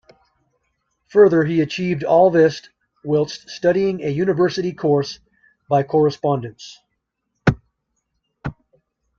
Further he achieved all this whilst studying a university course by correspondence.